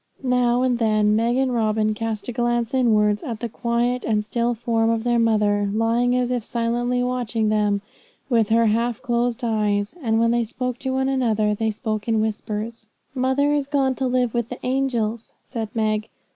Now and then Meg and Robin cast a glance inwards at the quiet and still form of their mother, lying as if silently watching them with her half closed eyes, and when they spoke to one another they spoke in whispers. 'Mother is going to live with the angels,' said Meg.